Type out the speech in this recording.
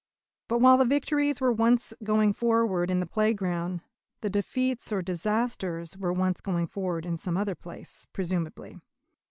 But while the victories were once going forward in the playground, the defeats or disasters were once going forward in some other place, presumably.